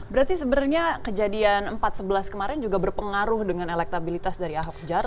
berarti sebenarnya kejadian empat sebelas kemarin juga berpengaruh dengan elektabilitas dari ahok jarot